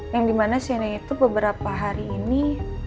yang di mana sienna itu beberapa hari ini